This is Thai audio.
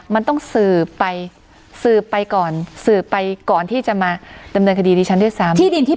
มันต้องสืบไปก่อนที่จะมาดำเนินคดีดิฉันด้วยซ้ำ